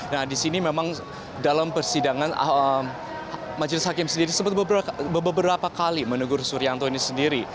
nah di sini memang dalam persidangan majelis hakim sendiri sempat beberapa kali menegur surianto ini sendiri